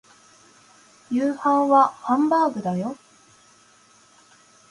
夕食はハンバーグだよ